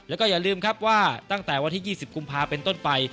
แล้วก็อย่าลืมครับว่าตั้งแต่วันที่๒๐กุมภาเป็นต้นไป